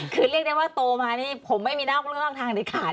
คือเรียกได้ว่าโตมานี่ผมไม่มีนอกเลือกทางเด็ดขาด